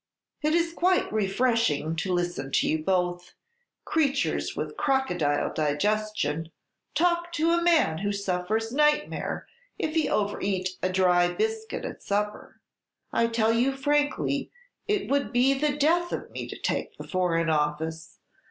"It is quite refreshing to listen to you both creatures with crocodile digestion talk to a man who suffers nightmare if he over eat a dry biscuit at supper. I tell you frankly, it would be the death of me to take the Foreign Office.